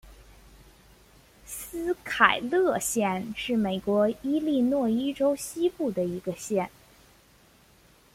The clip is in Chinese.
斯凯勒县是美国伊利诺伊州西部的一个县。